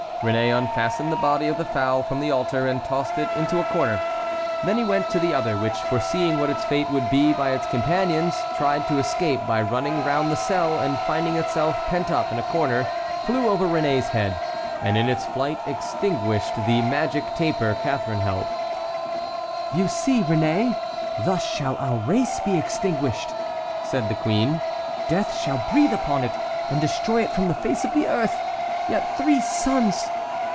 Réné unfastened the body of the fowl from the altar and tossed it into a corner; then he went to the other, which, foreseeing what its fate would be by its companion's, tried to escape by running round the cell, and finding itself pent up in a corner flew over Réné's head, and in its flight extinguished the magic taper Catharine held. "You see, Réné, thus shall our race be extinguished," said the queen; "death shall breathe upon it, and destroy it from the face of the earth! Yet three sons!